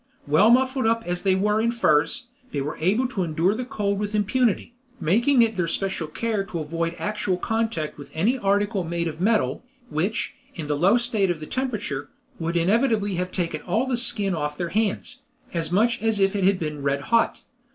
Well muffled up as they were in furs, they were able to endure the cold with impunity, making it their special care to avoid actual contact with any article made of metal, which, in the low state of the temperature, would inevitably have taken all the skin off their hands, as much as if it had been red hot.